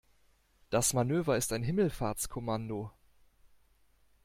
Das Manöver ist ein Himmelfahrtskommando.